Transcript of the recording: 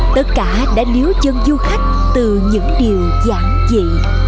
tất cả đã liếu chân du khách từ những điều giản dị